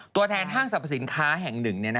ตัวแทนห้างสรรพสินค้าแห่งหนึ่ง